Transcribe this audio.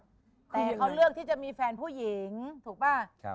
แต่เขาเลือกที่จะมีแฟนผู้หญิงถูกป่ะ